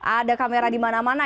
ada kamera di mana mana